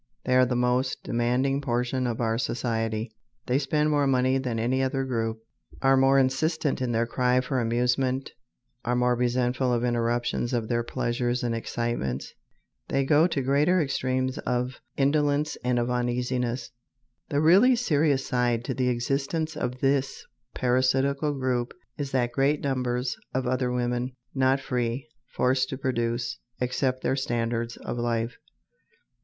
They are the most demanding portion of our society. They spend more money than any other group, are more insistent in their cry for amusement, are more resentful of interruptions of their pleasures and excitements; they go to greater extremes of indolence and of uneasiness. The really serious side to the existence of this parasitical group is that great numbers of other women, not free, forced to produce, accept their standards of life.